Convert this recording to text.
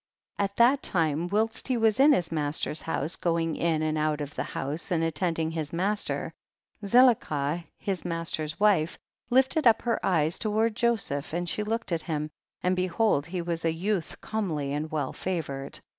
15. At that time whilst he was in his master's house, going in and out of the house and attending his master, Zelicah his master's wife lifted up her eyes toward Joseph and she looked at him, and behold he was a youth comely and well favored.